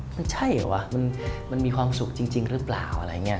มันใช่หรือเปล่ามันมีความสุขจริงหรือเปล่า